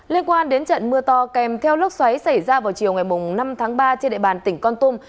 liên quan đến trận mưa to kèm theo lốc xoáy xảy ra vào chiều ngày năm tháng ba trên địa bàn tỉnh con tum